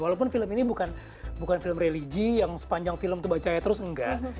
walaupun film ini bukan film religi yang sepanjang film tuh bacanya terus enggak